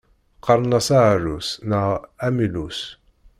Qqaren-as aɛrus neɣ amillus.